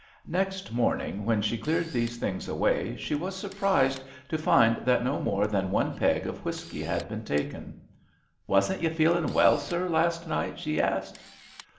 Next morning, when she cleared these things away, she was surprised to find that no more than one peg of whisky had been taken. "Wasn't you feeling well, sir, last night?" she asked.